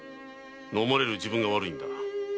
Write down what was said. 飲まれる自分が悪いのだ。